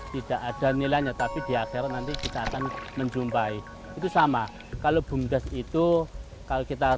tidak ada nilainya tapi di akhir nanti kita akan menjumpai itu sama kalau bumdes itu kalau kita